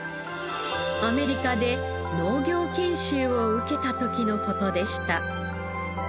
アメリカで農業研修を受けた時の事でした。